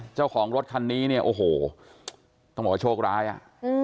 เจ้าของรถคันนี้เนี่ยโอ้โหต้องบอกว่าโชคร้ายอ่ะ